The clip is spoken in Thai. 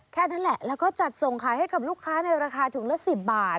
แค่นั้นแหละแล้วก็จัดส่งขายให้กับลูกค้าในราคาถุงละ๑๐บาท